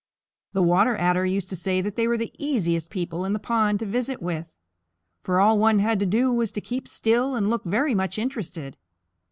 The Water Adder used to say that they were the easiest people in the pond to visit with, for all one had to do was to keep still and look very much interested.